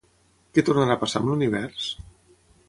Què tornarà a passar amb l'univers?